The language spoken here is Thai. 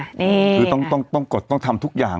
คือต้องกดกลับทำทุกอย่าง